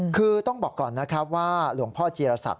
คือต้องบอกก่อนนะครับว่าหลวงพ่อจีรศักดิ